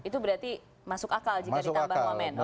itu berarti masuk akal jika ditambah wamen